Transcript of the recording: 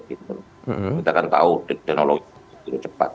kita kan tahu teknologi itu cepat